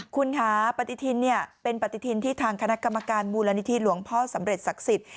คุณค่ะปฏิทินเป็นปฏิทินที่ทางคณะกรรมการมูลนิธิหลวงพ่อสำเร็จศักดิ์สิทธิ์